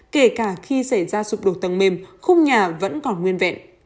kể cả khi xảy ra sụp đổ tầng mềm khung nhà vẫn còn nguyên vẹn